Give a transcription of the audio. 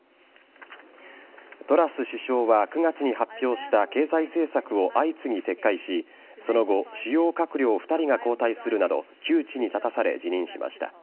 トラス首相は９月に発表した経済政策を相次ぎ撤回しその後、主要閣僚２人が交代するなど窮地に立たされ、辞任しました。